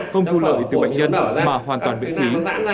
không thu lợi từ bệnh nhân mà hoàn toàn miễn phí